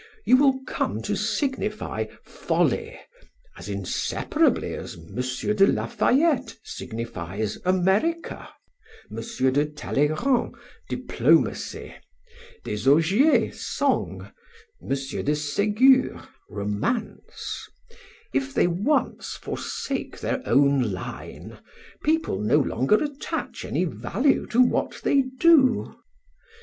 You will come to signify folly as inseparably as M. de La Fayette signifies America; M. de Talleyrand, diplomacy; Desaugiers, song; M. de Segur, romance. If they once forsake their own line people no longer attach any value to what they do.